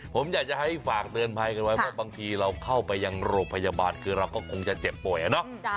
ผมอยากจะให้ฝากเตือนภัยกันไว้ว่าบางทีเราเข้าไปยังโรงพยาบาลคือเราก็คงจะเจ็บป่วยอะเนาะ